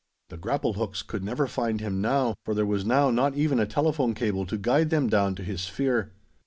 The grapple hooks could never find him now, for there was now not even a telephone cable to guide them down to his sphere.